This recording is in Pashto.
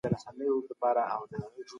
پوهان به پر نويو اقتصادي تګلارو کار کوي.